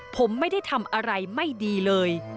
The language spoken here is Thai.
ผมไม่ได้ทำอะไรไม่ดีเลย